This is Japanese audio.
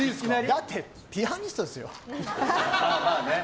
だってピアニストですよ。